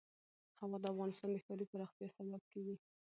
هوا د افغانستان د ښاري پراختیا سبب کېږي.